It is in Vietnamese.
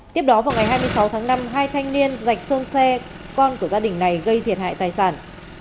tiếp đó vào ngày hai mươi sáu tháng năm hai thanh niên dạch sơn xe con của gia đình này gây thiệt hại tài sản